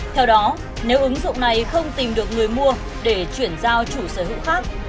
theo đó nếu ứng dụng này không tìm được người mua để chuyển giao chủ sở hữu khác